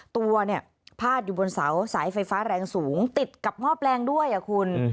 ตัวเนี่ยพาดอยู่บนเสาสายไฟฟ้าแรงสูงติดกับหม้อแปลงด้วยคุณ